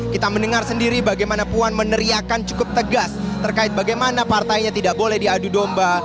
kita mendengar sendiri bagaimana puan meneriakan cukup tegas terkait bagaimana partainya tidak boleh diadu domba